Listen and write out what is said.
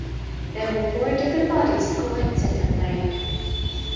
There were four different bodies elected that day.